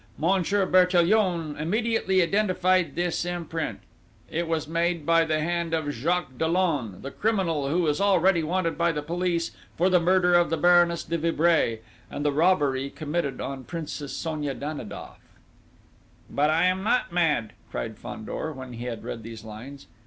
Monsieur Bertillon immediately identified this imprint: it was made by the hand of Jacques Dollon, the criminal who is already wanted by the police for the murder of the Baroness de Vibray, and the robbery committed on the Princess Sonia Danidoff._" "But I am not mad!" cried Fandor, when he had read these lines.